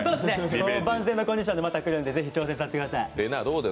万全なコンディションで来るんで、挑戦させてください。